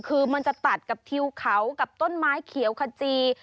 คือมันจะตัดกับทิวเขากับต้นไม้เขียวขจี